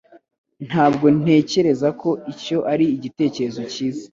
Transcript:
Ntabwo ntekereza ko icyo ari igitekerezo cyiza.